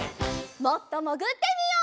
もっともぐってみよう！